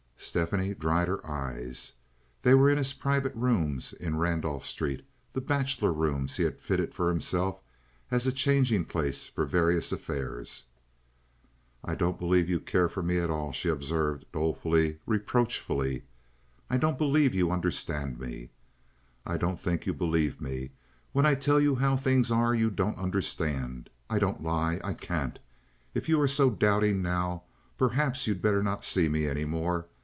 Stephanie dried her eyes. They were in his private rooms in Randolph Street, the bachelor rooms he had fitted for himself as a changing place for various affairs. "I don't believe you care for me at all," she observed, dolefully, reproachfully. "I don't believe you understand me. I don't think you believe me. When I tell you how things are you don't understand. I don't lie. I can't. If you are so doubting now, perhaps you had better not see me any more.